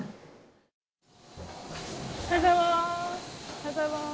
おはようございます。